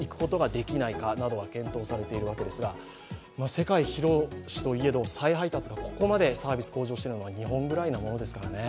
世界広しといえど、再配達がここまでサービス向上しているのは日本ぐらいですからね。